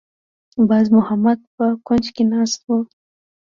باز محمد په کونج کې ناسته وه.